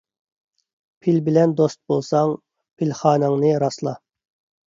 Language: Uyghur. پىل بىلەن دوست بولساڭ، پىلخاناڭنى راسلا.